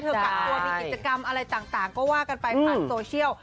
กักตัวมีกิจกรรมอะไรต่างก็ว่ากันไปผ่านโซเชียล